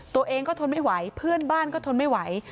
ตัวเองก็ทนไม่ไหวเพื่อนบ้านก็ทนไม่ไหว